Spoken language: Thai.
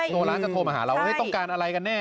โนร้านจะโทรมาหาเราต้องการอะไรกันแน่